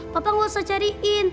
papa gak usah cariin